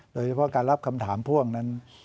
โดยเฉพาะการรับคำถามพ่วงนั้น